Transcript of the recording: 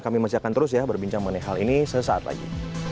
kami masih akan terus ya berbincang mengenai hal ini sesaat lagi